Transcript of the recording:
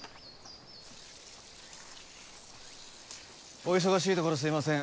お忙しいところすいません